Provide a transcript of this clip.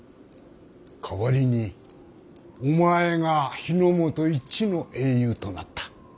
代わりにお前が日本一の英雄となった。